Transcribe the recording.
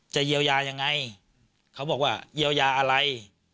เยียวยายังไงเขาบอกว่าเยียวยาอะไร